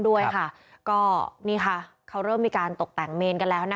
ด้วยค่ะก็นี่ค่ะเขาเริ่มมีการตกแต่งเมนกันแล้วนะคะ